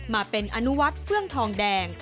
มาเป็นอนุวัฒน์เฟื่องทองแดง